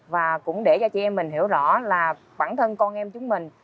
và cũng để cho chị em mình hiểu rõ là bản thân con em chúng mình